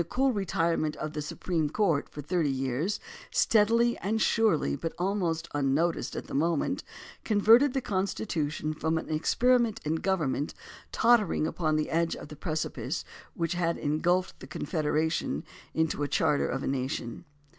CALHOUN cool retirement of the Supreme Court for thirty years, steadily and surely, but almost unnoticed at the mo ment, converted the Constitution from an experi ment in government, tottering upon the edge of the precipice which had engulfed the Confederation, into the charter of a nation.